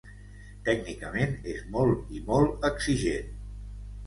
Tècnicament és molt i molt exigent.